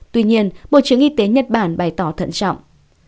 tuy nhiên bộ trưởng y tế nhật bản bày tỏ thận trọng